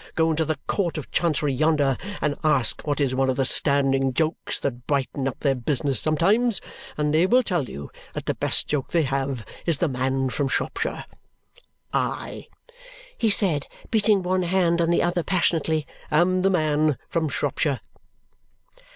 Go into the Court of Chancery yonder and ask what is one of the standing jokes that brighten up their business sometimes, and they will tell you that the best joke they have is the man from Shropshire. I," he said, beating one hand on the other passionately, "am the man from Shropshire."